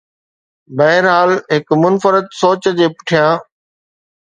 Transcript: بهرحال، هڪ منفرد سوچ جي پٺيان